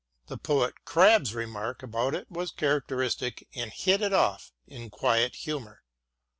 The poet Crabbe's remark about it was characteristic and hit it off in quiet humour.